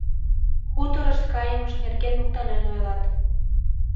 Хуторыш кайымышт нерген моктанен ойлат.